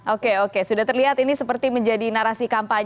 oke oke sudah terlihat ini seperti menjadi narasi kampanye